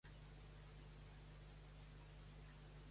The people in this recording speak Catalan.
Creu el protagonista que un és el general i l'altre el seu segon?